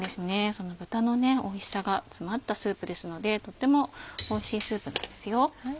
豚のおいしさが詰まったスープですのでとってもおいしいスープなんですよ。